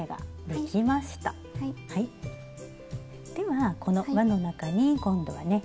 はこのわの中に今度はね